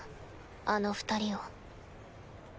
あの二人を。